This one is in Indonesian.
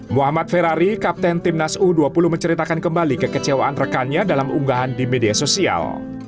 muhammad ferrari kapten timnas u dua puluh menceritakan kembali kekecewaan rekannya dalam unggahan di media sosial